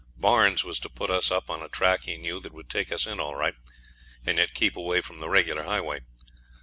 Barnes was to put us on a track he knew that would take us in all right, and yet keep away from the regular highway.